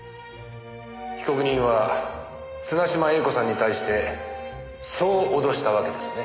被告人は綱嶋瑛子さんに対してそう脅したわけですね？